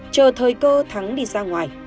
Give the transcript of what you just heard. chờ thời cơ thắng đi ra ngoài